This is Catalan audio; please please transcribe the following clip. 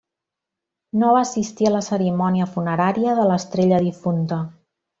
No va assistir a la cerimònia funerària de l'estrella difunta.